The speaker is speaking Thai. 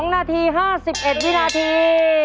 ๒นาที๕๑วินาที